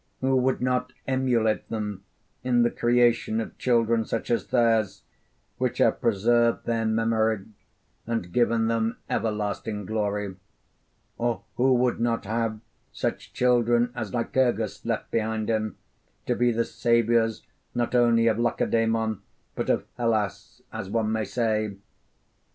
Who would not emulate them in the creation of children such as theirs, which have preserved their memory and given them everlasting glory? Or who would not have such children as Lycurgus left behind him to be the saviours, not only of Lacedaemon, but of Hellas, as one may say?